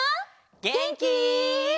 げんき？